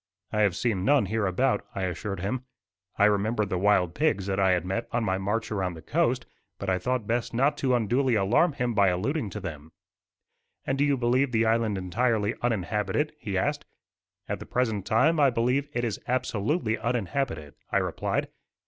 "I have seen none hereabout," I assured him. I remembered the wild pigs that I had met on my march around the coast, but I thought best not to unduly alarm him by alluding to them. "And do you believe the island entirely uninhabited?" he asked. "At the present time I believe it is absolutely uninhabited," I replied.